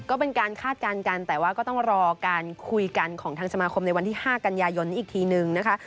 ก็เป็นการคาดการณ์กันแต่ว่าก็ต้องรอการคุยกันของทางสมาคมในวันที่๕กันยายนนี้อีกทีนึงนะคะ